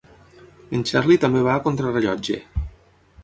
En Charlie també va a contra rellotge.